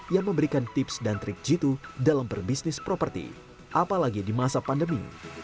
yang memberikan tips dan trik jitu dalam berbisnis properti apalagi di masa pandemi